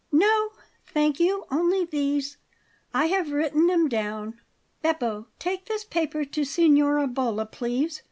"No, thank you; only these. I have written them down. Beppo, take this paper to Signora Bolla, please.